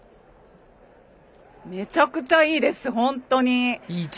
めちゃくちゃいいです本当に。